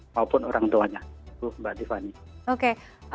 maupun orang tuanya